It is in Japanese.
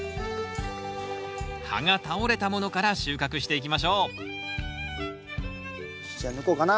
葉が倒れたものから収穫していきましょうじゃあ抜こうかな。